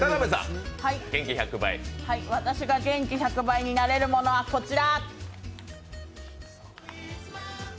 私が元気１００倍になれるものは、こちら。